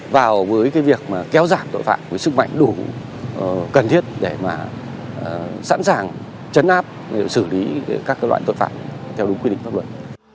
vào việc kéo giảm tội phạm với sức mạnh đủ cần thiết để sẵn sàng chấn áp xử lý các loại tội phạm theo đúng quy định pháp luật